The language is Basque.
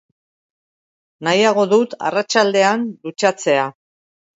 Nahiago dut arratsaldean dutxatzea.